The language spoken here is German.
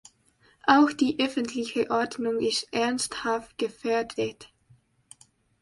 Auch die öffentliche Ordnung ist ernsthaft gefährdet.